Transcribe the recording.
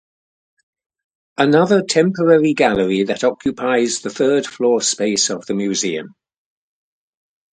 Another temporary gallery that occupies the third floor space of the museum.